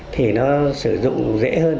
thì nó sử dụng dễ hơn